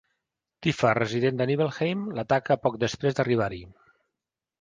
Tifa, resident a Nibelheim, l'ataca poc després d'arribar-hi.